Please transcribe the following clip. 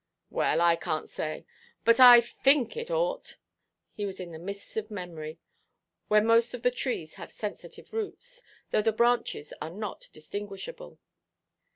"Well, I canʼt say; but I think it ought,"—he was in the mists of memory, where most of the trees have sensitive roots, though the branches are not distinguishable.